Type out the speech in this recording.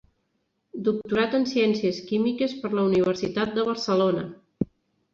Doctorat en ciències químiques per la Universitat de Barcelona.